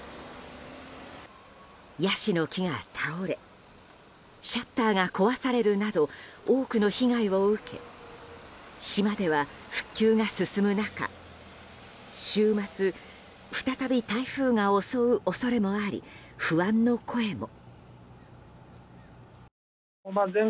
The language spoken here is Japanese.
ヤシの木が倒れシャッターが壊されるなど多くの被害を受け島では、復旧が進む中週末、再び台風が襲う恐れもあり不安の声も。